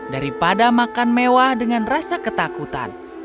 daripada makan mewah dengan rasa ketakutan